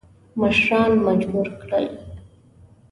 مشران مجبور کړل.